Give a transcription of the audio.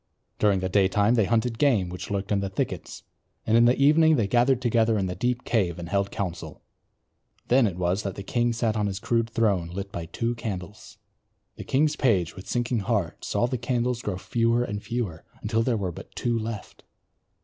During the daytime they hunted game which lurked in the thickets; in the evening they gathered together in the deep cave and held council. Then it was that the king sat on his rude throne lit by two candles. The king's page with sinking heart saw the candles grow fewer and fewer until there were but two left.